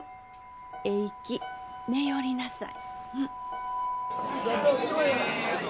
えいき寝よりなさい。